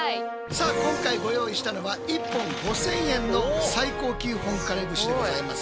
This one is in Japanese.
さあ今回ご用意したのは１本５，０００円の最高級本枯節でございます。